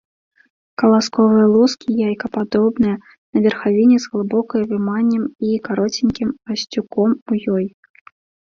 Каласковыя лускі яйкападобныя, на верхавіне з глыбокай выманнем і кароценькім асцюком ў ёй.